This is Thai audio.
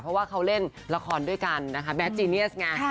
เพราะว่าเขาเล่นละครด้วยกันนะคะแมทจีเนียสไง